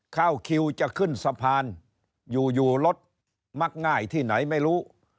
เข้าคิวจะขึ้นสะพานอยู่รถมักง่ายที่ไหนไม่รู้